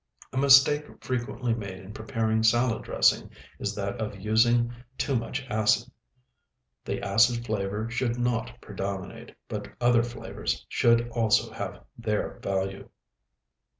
A mistake frequently made in preparing salad dressing is that of using too much acid. The acid flavor should not predominate, but other flavors should also have their value.